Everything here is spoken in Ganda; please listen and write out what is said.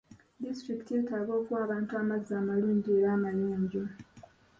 Disitulikiti yetaaga okuwa abantu amazzi amalungi era amayonjo.